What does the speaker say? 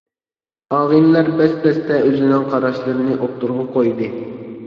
ئاغىنىلەر بەس-بەستە ئۆزىنىڭ قاراشلىرىنى ئوتتۇرىغا قويدى.